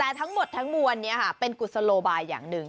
แต่ทั้งหมดทั้งมวลนี้เป็นกุศโลบายอย่างหนึ่ง